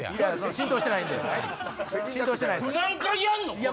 浸透してないんで。